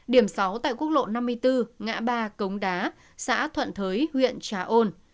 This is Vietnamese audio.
điểm sáu tại quốc lộ năm mươi bốn ngã ba cống đá xã thuận thới huyện trà ôn